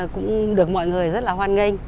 cũng được mọi người rất là hoan nghênh